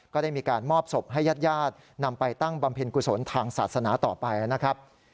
ก็ได้มีการมอบศพให้ญาติญาตินำไปตั้งบำเพ็ญกุศลทางศาสนาต่อไปนะครับ